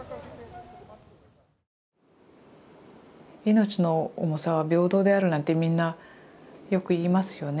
命の重さは平等であるなんてみんなよく言いますよね。